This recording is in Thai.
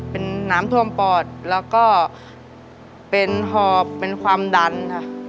เป็นน้ำท่วมปอดแล้วก็เป็นหอบเป็นความดันค่ะ